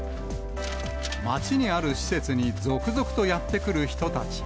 町にある施設に続々とやって来る人たち。